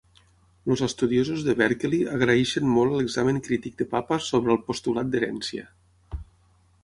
Els estudiosos de Berkeley agraeixen molt l'examen crític de Pappas sobre el "postulat d'herència".